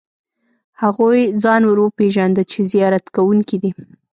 هغوی ځان ور وپېژاند چې زیارت کوونکي دي.